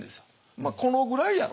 まあこのぐらいやろ。